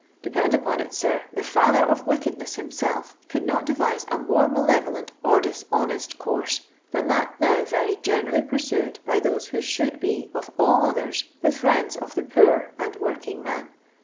Depend upon it, sir, the &ther of wicked ness himself could not devise a more malevolent I or dishonest course than that now very generally | pursued by those who should be^ of all others, | the frieuds of the poor and working man.